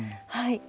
はい。